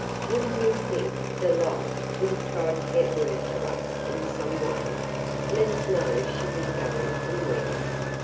"Would n't you think Delight would have tried to get word to us in some way – let us know she was going and where?"